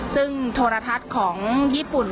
ซึ่งโทรทัศน์ของญี่ปุ่น